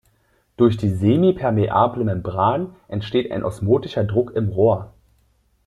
Durch die semipermeable Membran entsteht ein osmotischer Druck im Rohr.